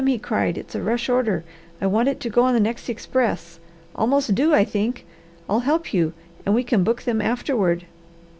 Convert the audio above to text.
he cried. "It's a rush order. I want it to go on the next express. Almost due I think. I'll help you and we can book them afterward."